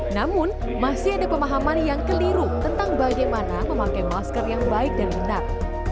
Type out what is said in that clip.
namun masih ada pemahaman yang keliru tentang bagaimana memakai masker yang baik dan benar